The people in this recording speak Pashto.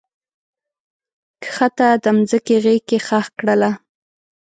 کښته د مځکې غیږ کې ښخ کړله